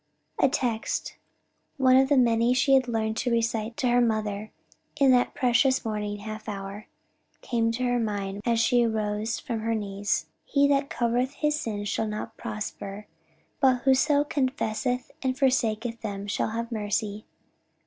A text one of the many she had learned to recite to her mother in that precious morning half hour came to her mind as she rose from her knees. "He that covereth his sins shall not prosper: but whoso confesseth and forsaketh them shall have mercy."